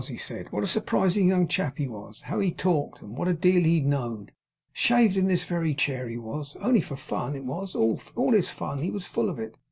he said. 'What a surprising young chap he was! How he talked! and what a deal he know'd! Shaved in this very chair he was; only for fun; it was all his fun; he was full of it.